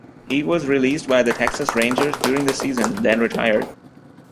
He was released by the Texas Rangers during the season, then retired.